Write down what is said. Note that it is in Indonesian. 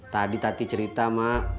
tadi tati cerita mak